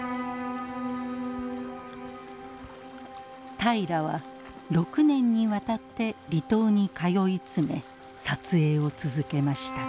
平良は６年にわたって離島に通い詰め撮影を続けました。